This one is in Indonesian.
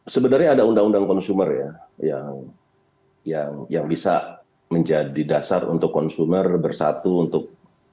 sebenarnya ada undang undang konsumer ya yang bisa menjadi dasar untuk konsumer bersatu untuk